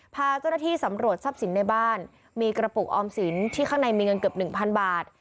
พาเจ้าหน้าที่สำรวจทรัพย์สินในบ้านมีกระปุกออมสินที่ข้างในมีเงินเกือบหนึ่งพันบาท